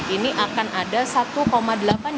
ini akan ada satu delapan juta